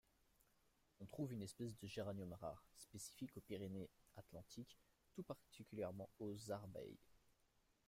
On trouve une espèce de géranium rare, spécifique aux Pyrénées-Atlantiques, tout particulièrement aux Arbailles.